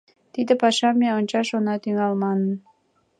«Тиде пашам ме ончаш она тӱҥал, — манын.